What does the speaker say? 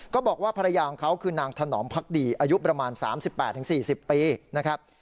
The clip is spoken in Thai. ก็บอกว่าภรรยาของเขาคือนางถนอมพักดีอายุประมาณสามสิบแปดถึงสี่สิบปีนะครับ